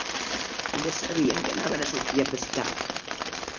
Elles sabien que anaven a sortir a pescar?